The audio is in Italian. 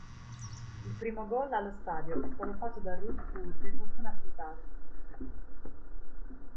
Il primo gol allo stadio è stato fatto da Ruud Kool del Fortuna Sittard.